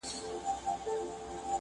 په خپل نوبت کي هر یوه خپلي تیارې راوړي؛